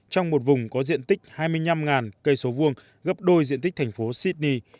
trong một vùng có diện tích hai mươi năm cây số vuông gấp đôi diện tích thành phố sydney